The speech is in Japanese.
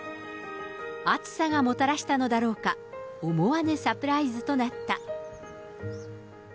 暑さがもたらしたのだろうか、思わぬサプライズとなった。